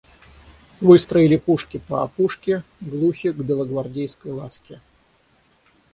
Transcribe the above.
Выстроили пушки по опушке, глухи к белогвардейской ласке.